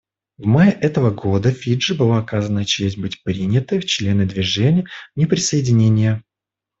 В мае этого года Фиджи была оказана честь быть принятой в члены Движения неприсоединения.